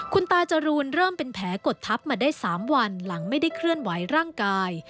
คุณตาจรูนเริ่มเป็นแผลกดทับมาได้๓วันหลังไม่ได้เคลื่อนไหวร่างกาย